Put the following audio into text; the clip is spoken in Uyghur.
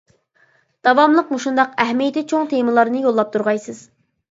داۋاملىق مۇشۇنداق ئەھمىيىتى چوڭ تېمىلارنى يوللاپ تۇرغايسىز.